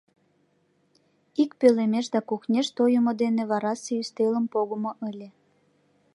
Ик пӧлемеш да кухнеш тойымо ден варасе ӱстелым погымо ыле.